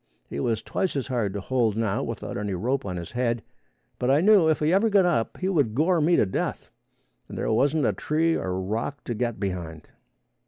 He was twice as hard to hold now without any rope on his head, but I knew if he ever got up, he would gore me to death, as there wasn't a tree or rock to get behind.